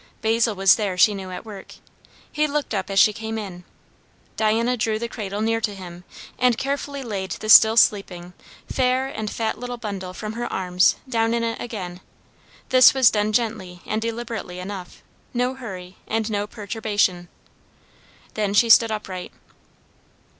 Basil was there, she knew, at work. He looked up as she came in. Diana drew the cradle near to him, and carefully laid the still sleeping, fair and fat little bundle from her arms down in it again; this was done gently and deliberately enough; no hurry and no perturbation. Then she stood upright.